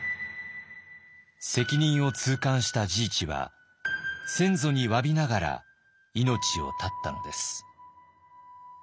責任を痛感した治一は先祖にわびながら命を絶ったのです。